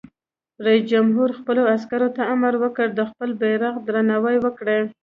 رئیس جمهور خپلو عسکرو ته امر وکړ؛ د خپل بیرغ درناوی وکړئ!